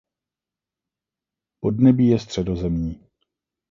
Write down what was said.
Podnebí je středozemní.